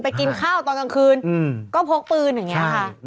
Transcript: กินข้าวตอนกลางคืนก็พกปืนอย่างนี้ค่ะ